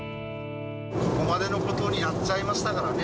そこまでのことになっちゃいましたからね。